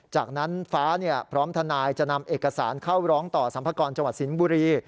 จากนั้นฟ้าพร้อมทนายจะนำเอกสารเข้าร้องต่อสัมภากรจังหวัดสิงห์บุรี